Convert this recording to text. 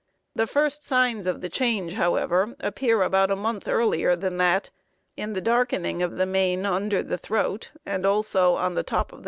The first signs of the change, however, appear about a month earlier than that, in the darkening of the mane under the throat, and also on the top of the neck.